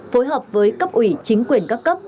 phối hợp với cấp ủy chính quyền các cấp